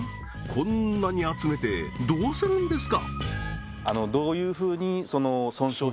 こんなに集めてどうするんですか？